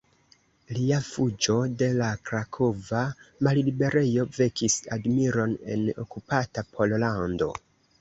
Lia fuĝo de la krakova malliberejo vekis admiron en okupata Pollando.